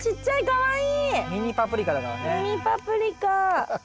かわいい！